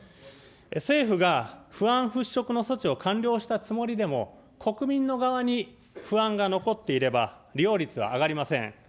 政府が、不安払拭の措置を完了したつもりでも、国民の側に不安が残っていれば、利用率は上がりません。